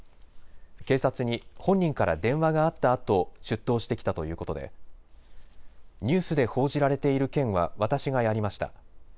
警察に本人から電話があったあと、出頭してきたということでニュースで報じられている件は私がやりました。